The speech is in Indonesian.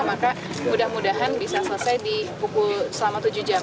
maka mudah mudahan bisa selesai di pukul selama tujuh jam